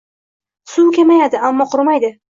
Suvi kamayadi, ammo qurimaydi.